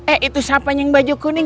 eh itu siapa yang baju kuning